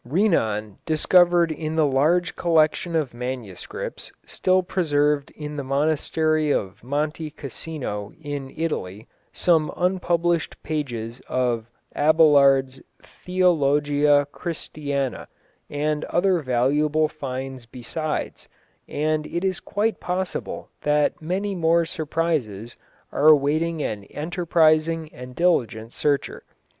Renan discovered in the large collection of manuscripts still preserved in the monastery of Monte Casino in Italy, some unpublished pages of Abelard's Theologia Christiana, and other valuable finds besides, and it is quite possible that many more surprises are awaiting an enterprising and diligent searcher.